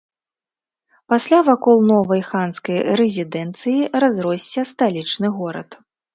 Пасля вакол новай ханскай рэзідэнцыі разросся сталічны горад.